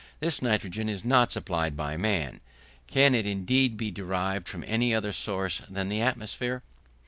This nitrogen is not supplied by man, can it indeed be derived from any other source than the atmosphere?